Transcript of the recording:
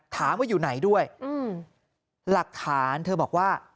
ถามว่าอยู่ไหนด้วยหลักฐานเธอบอกว่า